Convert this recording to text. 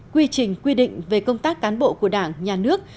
quy trình quy định về công tác cán bộ của đảng nhà nước